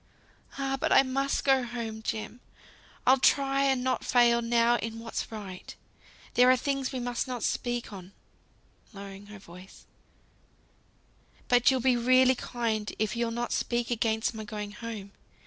"Ah! but I must go home, Jem. I'll try and not fail now in what's right. There are things we must not speak on" (lowering her voice), "but you'll be really kind if you'll not speak against my going home.